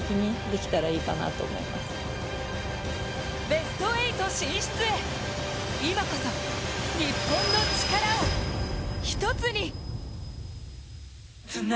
ベスト８進出へ今こそ日本のチカラを一つに。